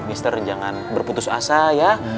mr jangan berputus asa ya